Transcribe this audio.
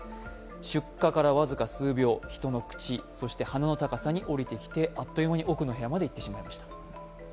出火から僅か数秒で人の口、鼻の位置まで下りてきてあっという間に奥の部屋までいってしまいました。